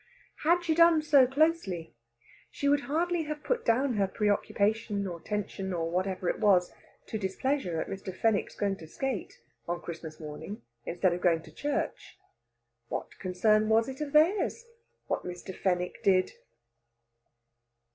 Had she done so closely, she would hardly have put down her preoccupation, or tension, or whatever it was, to displeasure at Mr. Fenwick's going to skate on Christmas morning instead of going to church. What concern was it of theirs what Mr. Fenwick did?